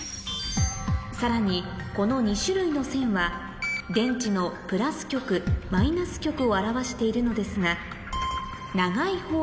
さらにこの２種類の線は電池のプラス極マイナス極を表しているのですがうわ